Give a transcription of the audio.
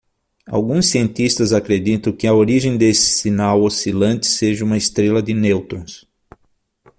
Alguns cientistas acreditam que a origem desse sinal oscilante seja uma estrela de nêutrons.